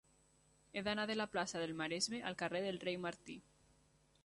He d'anar de la plaça del Maresme al carrer del Rei Martí.